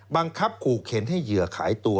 บังคับขู่เข็นให้เหยื่อขายตัว